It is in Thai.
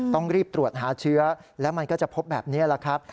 ต้องรีบตรวจหาเชื้อแล้วมันก็จะพบแบบนี้แหละครับ